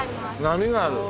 波がある。